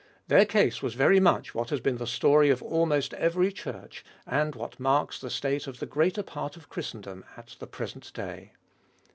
Their case was very much what has been the story of almost every Church, and what marks the state of the greater part of Christendom at the present day.